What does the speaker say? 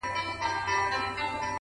د دوزخیانو لیست کي ټولو نه اول زه یم _